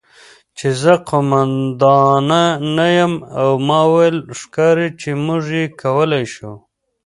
چې زه قوماندانه یم او ما وویل: 'ښکاري چې موږ یې کولی شو'.